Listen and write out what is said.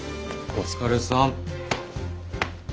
お疲れさん。